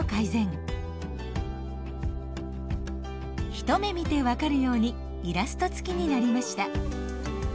一目見て分かるようにイラストつきになりました。